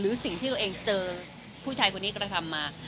สิ่งที่ตัวเองเจอผู้ชายคนนี้กระทำมา